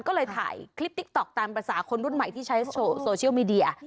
ก็เลยถ่ายคลิปติ๊กต๊อกตามภาษาคนรุ่นใหม่ที่ใช้โซเชียลมีเดีย